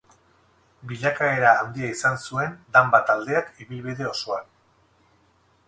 Bilakaera handia izan zuen Danba taldeak ibilbide osoan.